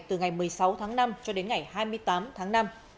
từ ngày một mươi sáu tháng năm cho đến ngày hai mươi tám tháng năm